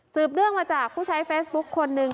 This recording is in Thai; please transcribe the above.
สืบเรื่องมาจากผู้ใช้เฟสบุ๊คคนนึง